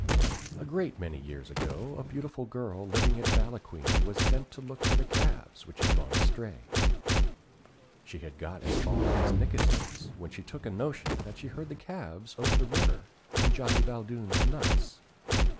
A great many years ago a beautiful girl living at Ballaquine was sent to look for the calves, which had gone astray. She had got as far as Nikkesen's, when she took a notion that she heard the calves over the river in Johnny Baldoon's nuts.